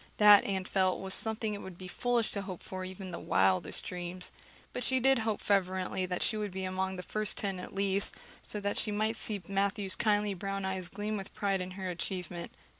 That, Anne felt, was something it would be foolish to hope for even in the wildest dreams. But she did hope fervently that she would be among the first ten at least, so that she might see Matthew's kindly brown eyes gleam with pride in her achievement.